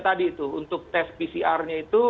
tadi itu untuk tes pcr nya itu